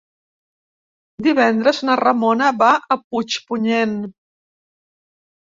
Divendres na Ramona va a Puigpunyent.